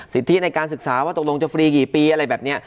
ซึ่งที่ในการศึกสาว่าตกลงจะโปรโมสมคัยกี่ปี